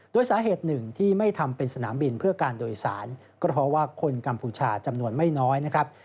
โดยสาเหตุหนึ่งที่ไม่ทำเป็นสนามบินเพื่อการโดยสารก็เพราะว่าคนกัมพูชาจำนวนไม่น้อยนะครับ